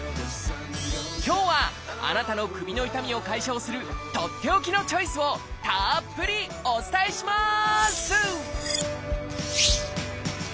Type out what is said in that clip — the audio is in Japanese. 今日はあなたの首の痛みを解消するとっておきのチョイスをたっぷりお伝えします！